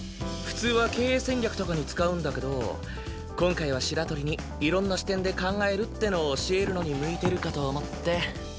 普通は経営戦略とかに使うんだけど今回は白鳥にいろんな視点で考えるってのを教えるのに向いてるかと思って。